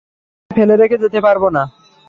তাকে ফেলে রেখে যেতে পারবো না।